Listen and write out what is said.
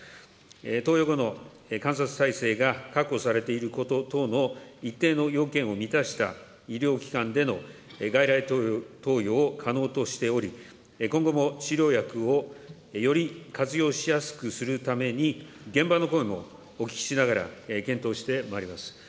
投与後の観察体制が確保されていること等の、一定の要件を満たした医療機関での外来投与を可能としており、今後も治療薬をより活用しやすくするために、現場の声もお聞きしながら検討してまいります。